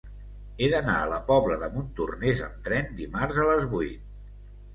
He d'anar a la Pobla de Montornès amb tren dimarts a les vuit.